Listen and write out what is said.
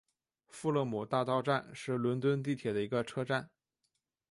富勒姆大道站是伦敦地铁的一个车站。